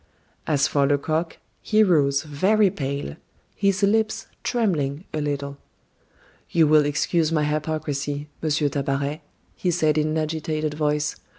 As for Lecoq, he rose very pale, his lips trembling a little. "You will excuse my hypocrisy, Monsieur Tabaret," he said in an agitated voice.